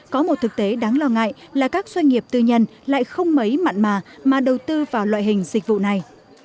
có một thực tế đáng lo ngại là các doanh nghiệp tư nhân lại không mấy mặn mà mà đầu tư vào loại hình dịch vụ này